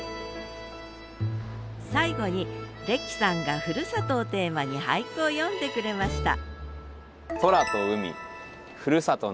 最後にレキさんがふるさとをテーマに俳句を詠んでくれました